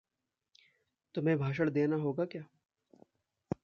तुम्हे भाषण देना होगा क्या?